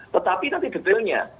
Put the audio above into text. tetapi nanti detailnya